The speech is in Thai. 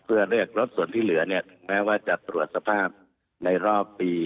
เพื่อเรียกรถส่วนที่เหลือเนี่ยถึงแม้ว่าจะตรวจสภาพในรอบปี